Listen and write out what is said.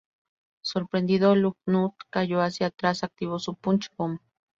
Sorprendido, Lugnut cayó hacia atrás, activó su punch bomb.